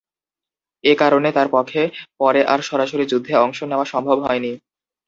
এ কারণে তার পক্ষে পরে আর সরাসরি যুদ্ধে অংশ নেওয়া সম্ভব হয়নি।